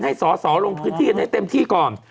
ให้สอสอลงพื้นที่กันให้เต็มที่ก่อน